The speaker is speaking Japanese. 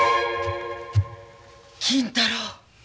金太郎！